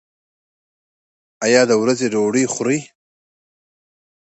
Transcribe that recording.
ایا د ورځې ډوډۍ خورئ؟